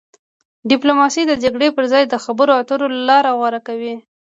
ډیپلوماسي د جګړې پر ځای د خبرو اترو لاره غوره کوي.